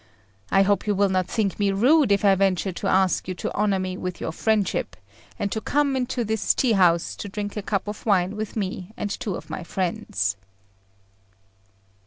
I hope you will not think me rude if I venture to ask you to honour me with your friendship, and to come into this tea house to drink a cup of wine with me and two of my friends."